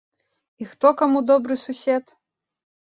І хто каму добры сусед?